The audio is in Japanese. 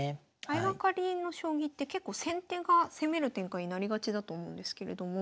相掛かりの将棋って結構先手が攻める展開になりがちだと思うんですけれども。